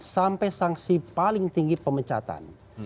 sampai sanksi paling tinggi pemecatan